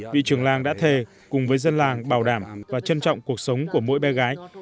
vị trưởng làng đã thề cùng với dân làng bảo đảm và trân trọng cuộc sống của mỗi bé gái